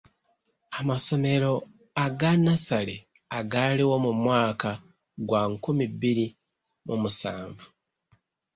Amasomero aga nnassale agaaliwo mu mwaka gwa nkumi bbiri mu musanvu.